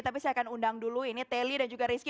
tapi saya akan undang dulu ini teli dan juga rizky